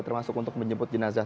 termasuk untuk menjemput jenazah